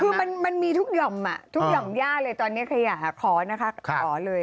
คือมันมีทุกหย่อมทุกหย่อมย่าเลยตอนนี้ขยะขอนะคะขอเลย